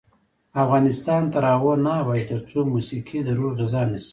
افغانستان تر هغو نه ابادیږي، ترڅو موسیقي د روح غذا نشي.